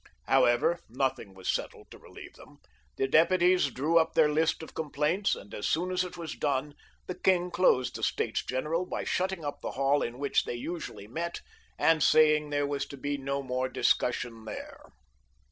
However, nothing was settled to relieve them ; the deputies drew up their list of complaints, of which I have told you before, and as soon as it was done, the king closed the States General by shutting up the hall in which they usually met, and saying there was to be no more discussion there.